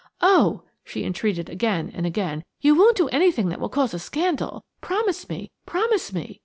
Oh!" she entreated again and again, "you won't do anything that will cause a scandal! Promise me–promise me!